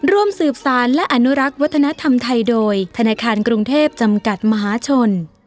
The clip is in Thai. ร่วมสืบสารและอนุรักษ์วัฒนธรรมไทยโดยธนาคารกรุงเทพจำกัดมหาชน